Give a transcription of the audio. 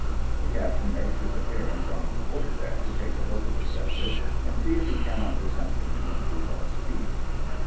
The captain makes his appearance on the quarter deck to take a look at the Zephyr, and see if he cannot do something to improve our speed.